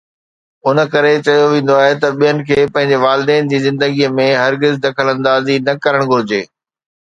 ان ڪري چيو ويندو آهي ته ٻين کي پنهنجي والدين جي زندگيءَ ۾ هرگز دخل اندازي نه ڪرڻ گهرجي